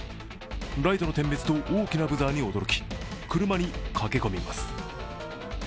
ライトの点滅と大きなブザーに驚き、車に駆け込みます。